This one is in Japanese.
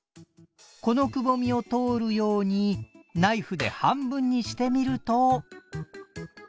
このくぼみを通るようにナイフで半分にしてみると。